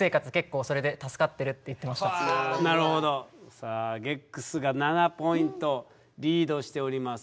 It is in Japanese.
さあＧＥＣＳが７ポイントリードしております。